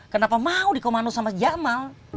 kenapa mau dikomano sama jamal